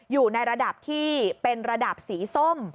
อยู่ในระดับที่เป็นระดับสีส้ม